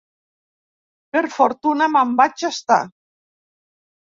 Per fortuna me'n vaig estar.